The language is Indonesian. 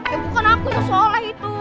bukan aku tuh sholay itu